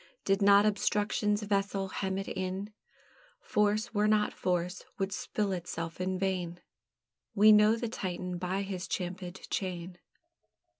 Did not obstruction's vessel hem it in, Force were not force, would spill itself in vain; We know the Titan by his champèd chain.